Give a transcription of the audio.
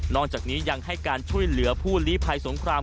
จากนี้ยังให้การช่วยเหลือผู้ลีภัยสงคราม